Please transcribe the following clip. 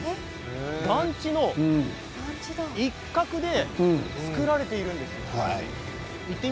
団地の一角で作られているんですよ。